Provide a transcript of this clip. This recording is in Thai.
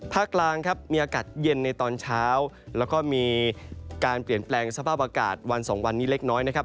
กลางครับมีอากาศเย็นในตอนเช้าแล้วก็มีการเปลี่ยนแปลงสภาพอากาศวันสองวันนี้เล็กน้อยนะครับ